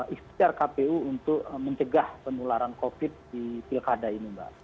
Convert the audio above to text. istiar kpu untuk mencegah penularan covid sembilan belas di pilkada ini mbak